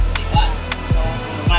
terkait dengan masalah